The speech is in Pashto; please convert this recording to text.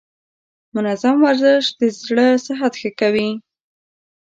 منظم ورزش د زړه صحت ښه کوي.